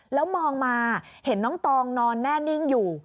แล้วมองมาเห็นน้องตองนอนแน่นิ่งอยู่